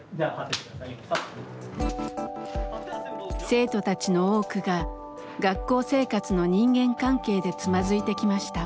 生徒たちの多くが学校生活の人間関係でつまずいてきました。